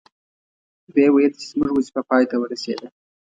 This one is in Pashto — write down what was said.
وې ویل چې زموږ وظیفه پای ته ورسیده.